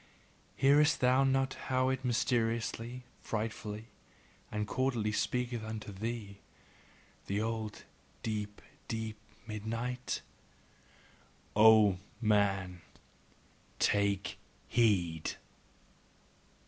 Hearest thou not how it mysteriously, frightfully, and cordially speaketh unto THEE, the old deep, deep midnight? O MAN, TAKE HEED!